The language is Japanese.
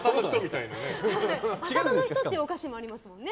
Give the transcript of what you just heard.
博多の女っていうお菓子もありますもんね。